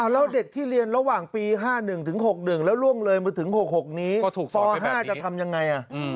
แล้วเด็กที่เรียนระหว่างปี๕๑ถึง๖๑แล้วล่วงเลยมาถึง๖๖นี้ป๕จะทำยังไง